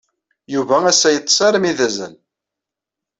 Yuba assa yeṭṭes armi d azal.